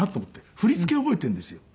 振り付け覚えてるんですよ